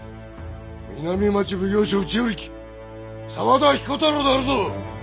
南町奉行所内与力沢田彦太郎であるぞ！